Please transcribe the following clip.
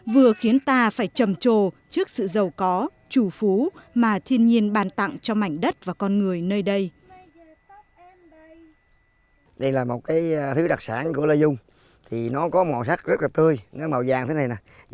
vừa khiến ta phải trầm trồ trước sự giàu có chủ phú mà thiên nhiên bàn tặng cho mảnh đất và con người nơi đây